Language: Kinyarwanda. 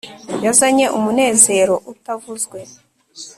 yazanye umunezero utavuzwe